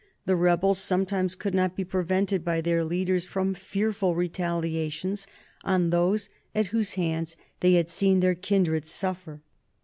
The rebels sometimes could not be prevented by their leaders from fearful retaliations on those at whose hands they had seen their kindred suffer.